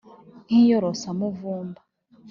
nkiyorosa muvumba